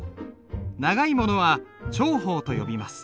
長いものは長鋒と呼びます。